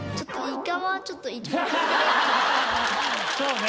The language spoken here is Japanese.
そうね